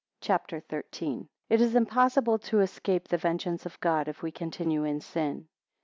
CHAPTER XIII. It is impossible to escape the vengeance of God, if we continue in sin.